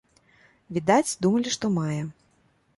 Відаць, думалі, што мае.